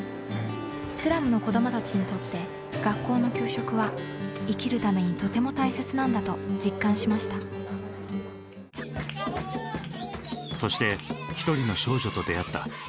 スラムの子どもたちにとって学校の給食は生きるためにとても大切なんだと実感しましたそして一人の少女と出会った。